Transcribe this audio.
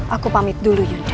aku pamit dulu yonda